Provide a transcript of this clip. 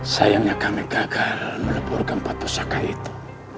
sayangnya kami gagal melebur keempat pusaka itu